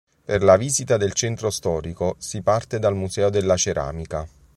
Per la visita del centro storico si parte dal Museo della ceramica.